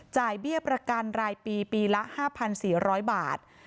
เบี้ยประกันรายปีปีละ๕๔๐๐บาท